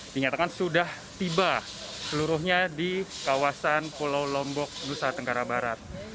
dinyatakan sudah tiba seluruhnya di kawasan pulau lombok nusa tenggara barat